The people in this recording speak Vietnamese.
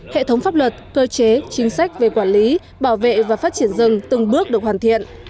hệ thống pháp luật cơ chế chính sách về quản lý bảo vệ và phát triển rừng từng bước được hoàn thiện